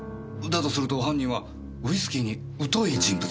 だとすると犯人はウイスキーに疎い人物？